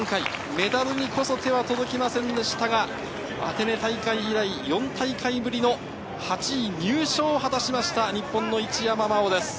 メダルにこそ手は届きませんでしたが、アテネ大会以来４大会ぶりの８位入賞を果たしました日本の一山麻緒です。